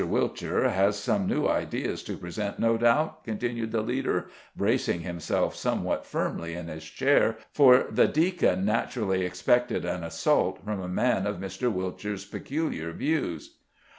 Whilcher has some new ideas to present, no doubt," continued the leader, bracing himself somewhat firmly in his chair, for the Deacon naturally expected an assault from a man of Mr. Whilcher's peculiar views.